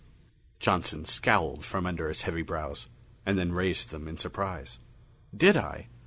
Johnson scowled from under his heavy brows, and then raised them in surprise. "Did I?